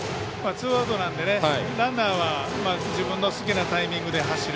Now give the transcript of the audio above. ツーアウトなので、ランナーは自分の好きなタイミングで走る。